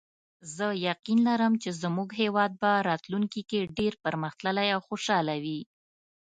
زه یقین لرم چې زموږ هیواد به راتلونکي کې ډېر پرمختللی او خوشحاله وي